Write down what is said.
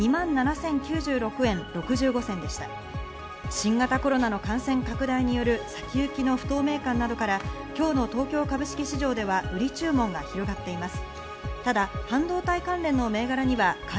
新型コロナの感染拡大による先行きの不透明感などから今日の東京株式市場では売り注文が広がっています。